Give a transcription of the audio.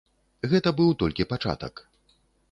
Гэта быў толькі пачатак.